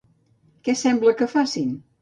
Què sembla que facin?